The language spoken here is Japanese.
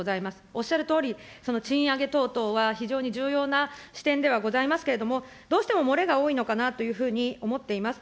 おっしゃるとおり、賃上げ等々は非常に重要な視点ではございますけれども、どうしても漏れが多いのかなというふうに思っています。